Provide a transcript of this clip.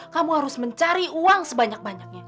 kamu harus mencari uang sebanyak banyaknya